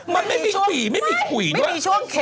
มันไม่ได้คุยไม่ได้คุยด้วย